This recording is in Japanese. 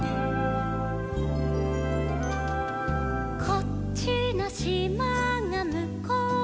「こっちのしまがむこうのしまへ」